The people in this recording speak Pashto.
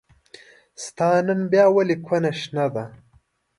ستا نن بيا ولې کونه شنه ده